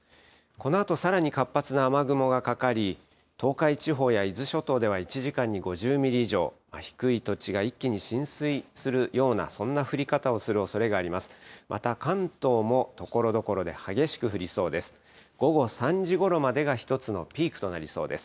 このあとさらに活発な雨雲がかかり、東海地方や伊豆諸島では１時間に５０ミリ以上、低い土地が一気に浸水するような、そんな降り方をするおそれがあります。